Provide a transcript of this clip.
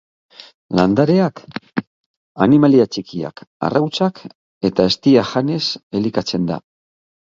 Landareak, animalia txikiak, arrautzak eta eztia janez elikatzen da.